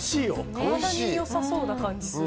体に良さそうな感じがする。